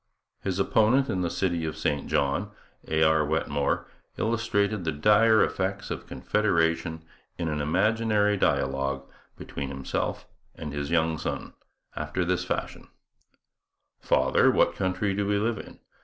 His opponent in the city of St John, A. R. Wetmore, illustrated the dire effects of Confederation in an imaginary dialogue, between himself and his young son, after this fashion: 'Father, what country do we live in?'